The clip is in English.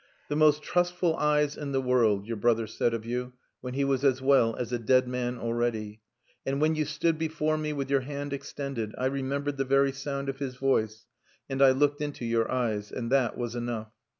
"... The most trustful eyes in the world your brother said of you when he was as well as a dead man already. And when you stood before me with your hand extended, I remembered the very sound of his voice, and I looked into your eyes and that was enough.